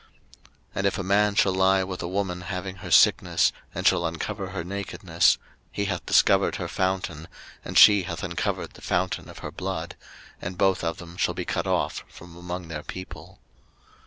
03:020:018 And if a man shall lie with a woman having her sickness, and shall uncover her nakedness; he hath discovered her fountain, and she hath uncovered the fountain of her blood: and both of them shall be cut off from among their people.